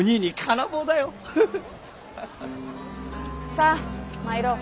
さあ参ろう。